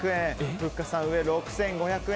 ふっかさんは、６５００円。